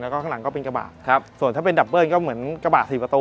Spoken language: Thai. แล้วก็ข้างหลังก็เป็นกระบะครับส่วนถ้าเป็นดับเบิ้ลก็เหมือนกระบะสี่ประตู